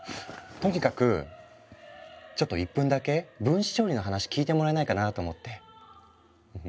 とにかくちょっと１分だけ分子調理の話聞いてもらえないかなと思って。